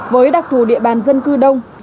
với đặc thù địa bàn dân cư đông